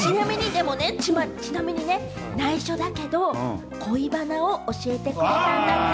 ちなみに内緒だけど、恋話を教えてくれたんだって。